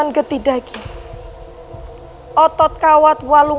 ada di tempat yang tidak ada daging